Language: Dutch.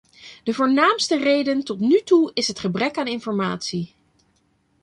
De voornaamste reden tot nu toe is het gebrek aan informatie.